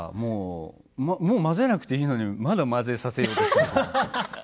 混ぜなくていいのにまだ混ぜさせようとしたり。